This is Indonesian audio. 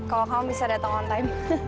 kalau kamu bisa datang on time